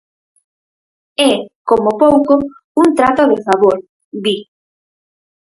É, como pouco, un trato de favor, di.